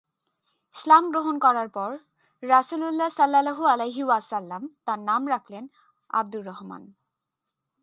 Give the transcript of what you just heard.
ইসলাম গ্রহণ করার পর রাসূলুল্লাহ সাল্লাল্লাহু আলাইহি ওয়াসাল্লাম তার নাম রাখলেন আব্দুর রহমান।